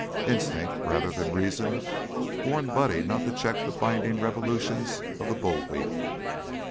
Instinct, rather than reason, warned Buddy not to check the blinding revolutions of the bull wheel.